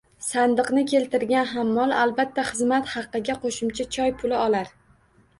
Sandiqni keltirgan hammol albatta xizmat haqqiga qo'shimcha choy puli olar